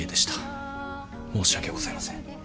申し訳ございません。